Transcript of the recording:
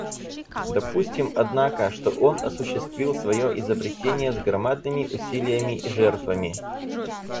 Допустим, однако, что он осуществил свое изобретение с громадными усилиями и жертвами.